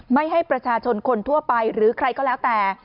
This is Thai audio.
ไม่ให้ประชาชนคนทั่วไปหรือใครก็แล้วแต่